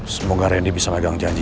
semoga randy bisa megang janji